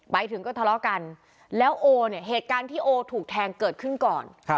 ไปถึงก็ทะเลาะกันแล้วโอเนี่ยเหตุการณ์ที่โอถูกแทงเกิดขึ้นก่อน